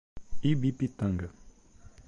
Ibipitanga